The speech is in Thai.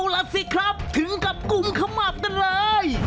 อ๋อแล้วสิครับถึงกับกลุ่มขมัดกันเลย